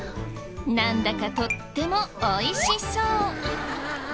なんだかとっても美味しそう。